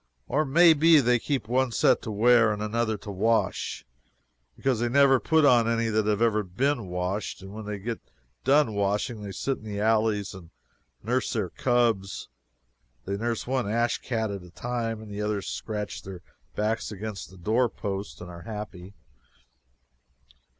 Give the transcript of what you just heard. Or may be they keep one set to wear and another to wash; because they never put on any that have ever been washed. When they get done washing, they sit in the alleys and nurse their cubs. They nurse one ash cat at a time, and the others scratch their backs against the door post and are happy.